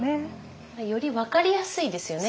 より分かりやすいですよね。